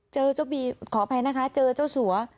เจอเจ้าบีขออภัยนะคะเจอเจ้าสัว